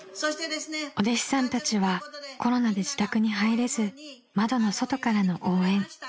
［お弟子さんたちはコロナで自宅に入れず窓の外からの応援］